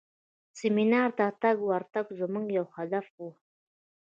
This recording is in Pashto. سیمینار ته ورتګ زموږ یو هدف و.